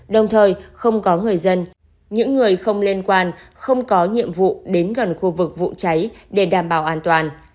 đồng thời không có người dân những người không liên quan không có nhiệm vụ đến gần khu vực vụ cháy để đảm bảo an toàn